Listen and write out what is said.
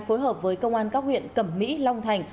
phối hợp với công an các huyện cẩm mỹ long thành